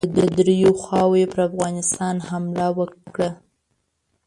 د دریو خواوو یې پر افغانستان حمله وکړه.